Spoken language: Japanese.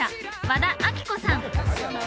和田亜希子さん